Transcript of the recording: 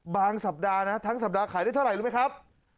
สัปดาห์นะทั้งสัปดาห์ขายได้เท่าไหร่รู้ไหมครับ